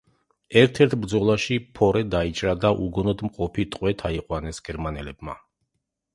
ერთ–ერთ ბრძოლაში ფორე დაიჭრა და უგონოდ მყოფი ტყვედ აიყვანეს გერმანელებმა.